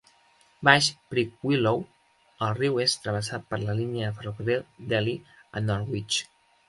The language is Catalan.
Baix Prickwillow, el riu és travessat per la línia de ferrocarril d'Ely a Norwich.